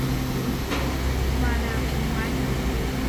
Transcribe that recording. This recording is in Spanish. Estudios Paraguayos.